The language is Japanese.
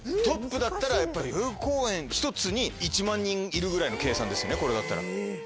トップだったら代々木公園１つに１万人いるぐらいの計算ですねこれだったら。